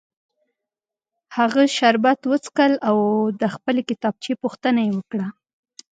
هغه شربت وڅښل او د خپلې کتابچې پوښتنه یې وکړه